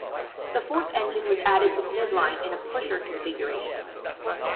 The fourth engine was added to the midline in a pusher configuration.